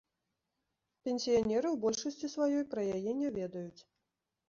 Пенсіянеры ў большасці сваёй пра яе не ведаюць.